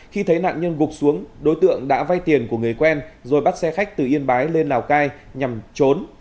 khi thấy nạn nhân gục xuống đối tượng đã vay tiền của người quen rồi bắt xe khách từ yên bái lên lào cai nhằm trốn